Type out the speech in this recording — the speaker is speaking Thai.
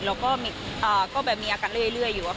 แล้วก็มีอาการเรื่อยอยู่